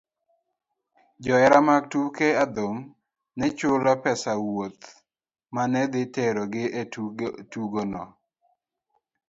Johera mag tuke adhong' ne chulo pes wuoth ma ne dhi terogi e tugono.